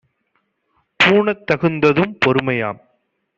பூணத் தகுந்ததும் பொறுமையாம்!